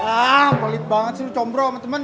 ah pelit banget sih lo combro sama temen